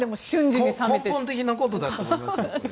根本的なことだと思いますけど。